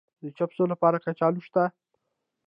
د چپسو لپاره کچالو شته؟